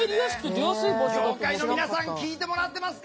業界の皆さん聞いてもらっていますか？